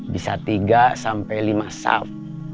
bisa tiga sampai lima soft